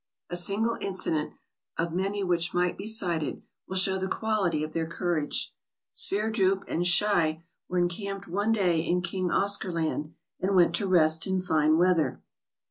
A single incident, of many which might be cited, will show the quality of their courage. Sverdrup and Schei were encamped one day in King Oscar Land, and went to rest in fine weather.